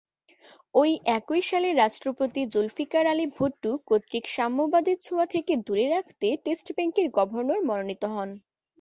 ঐ একই সালে রাষ্ট্রপতি জুলফিকার আলী ভুট্টো কর্তৃক সাম্যবাদের ছোঁয়া থেকে দূরে রাখতে স্টেট ব্যাংকের গভর্নর মনোনীত হন।